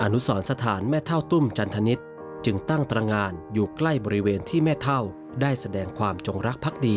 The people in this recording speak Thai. นุสรสถานแม่เท่าตุ้มจันทนิษฐ์จึงตั้งตรงานอยู่ใกล้บริเวณที่แม่เท่าได้แสดงความจงรักพักดี